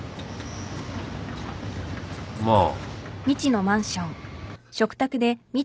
まあ。